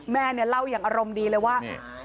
แม่เนี่ยเล่าอย่างอารมณ์ดีเลยว่า